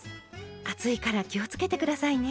熱いから気をつけて下さいね。